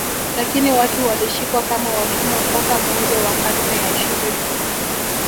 Lakini watu walishikwa kama watumwa mpaka mwanzo wa karne ya ishirini